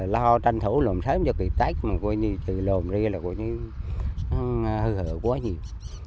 lo tranh thủ lùm sớm cho kịp tách mà coi như trừ lùm riêng là coi như hư hờ quá nhiều